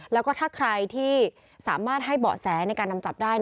แล้วก็ถ้าใครที่สามารถให้เบาะแสในการนำจับได้